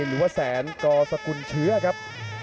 หรือว่าแสนกสกุลเชื้อครับ